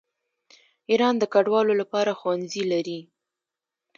ایران د کډوالو لپاره ښوونځي لري.